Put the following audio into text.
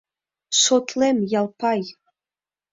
— Шотлем, Ялпай...